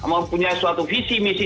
mempunyai suatu visi misi